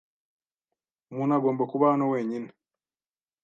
Umuntu agomba kuba hano wenyine .